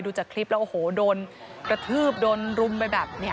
จากคลิปแล้วโอ้โหโดนกระทืบโดนรุมไปแบบนี้